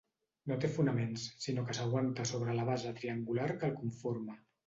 No té fonaments, sinó que s’aguanta sobre la base triangular que el conforma.